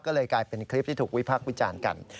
ก็เลยกลายเป็นคลิปที่ถูกวิพากษ์วิจารณ์กัน